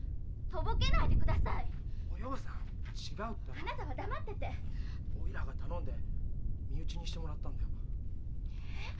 あなたは黙ってておいらが頼んで身内にしてもらったんだよ。